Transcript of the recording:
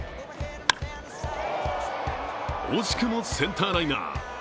惜しくもセンターライナー。